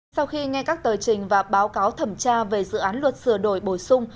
sau khi nghe các tờ trình và báo cáo thẩm tra về dự án luật sửa đổi bổ sung